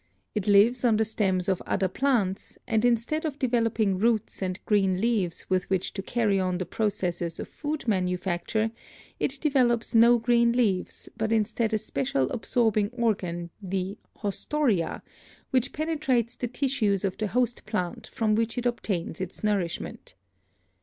It lives on the ADAPTATION 279 stems of other plants, and instead of developing roots and green leaves with which to carry on the processes of food manufacture, it develops no green leaves but instead a special absorbing organ, the 'haustoria,' which penetrates the tissues of the host plant from which it obtains its nourishment.